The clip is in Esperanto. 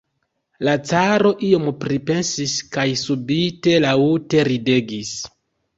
La caro iom pripensis kaj subite laŭte ridegis.